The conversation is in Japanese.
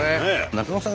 中野さん